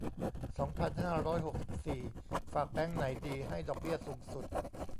สองพันห้าร้อยหกสิบสี่ ฝากแบงก์ไหนดี ให้ดอกเบี้ยสูงสุด